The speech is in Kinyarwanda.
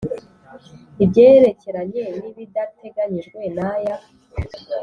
Ibyerekeranye n ibidateganyijwe n aya